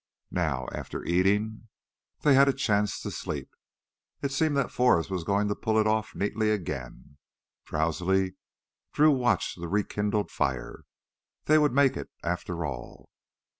Now after eating, they had a chance to sleep. It seemed that Forrest was going to pull it off neatly again. Drowsily Drew watched the rekindled fire. They would make it, after all.